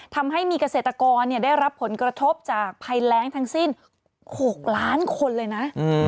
ทำให้มีเกษตรกรได้รับผลกระทบจากภัยแรงทั้งสิ้น๖ล้านคนเลยนะ